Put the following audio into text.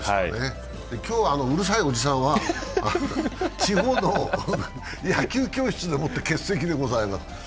今日、あのうるさいおじさんは地方の野球教室で欠席でございます。